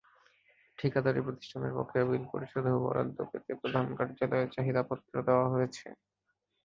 ঠিকাদারি প্রতিষ্ঠানের বকেয়া বিল পরিশোধেও বরাদ্দ পেতে প্রধান কার্যালয়ে চাহিদাপত্র দেওয়া হয়েছে।